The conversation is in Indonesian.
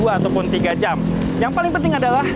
ataupun tiga jam yang paling penting adalah